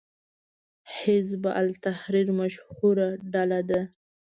حزب التحریر مشهوره ډله ده